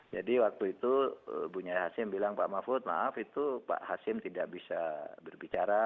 jadi waktu itu bu nyai hashim bilang pak mahfud maaf itu pak hashim tidak bisa berbicara